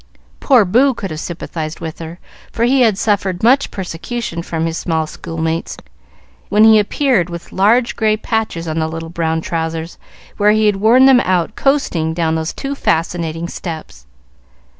Poor Boo could have sympathized with her, for he had suffered much persecution from his small schoolmates when he appeared with large gray patches on the little brown trousers, where he had worn them out coasting down those too fascinating steps.